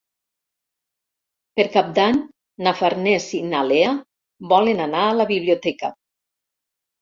Per Cap d'Any na Farners i na Lea volen anar a la biblioteca.